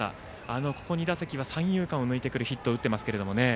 ここ２打席は三遊間を抜けるヒットを打っています。